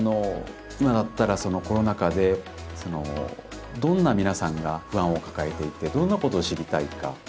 今だったらそのコロナ禍でどんな皆さんが不安を抱えていてどんなことを知りたいか。